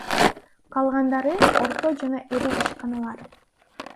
Калгандары — орто жана ири ишканалар.